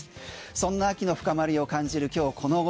そんな秋の深まりを感じる今日この頃。